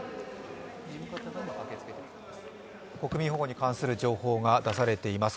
国民保護に関する情報が出されています。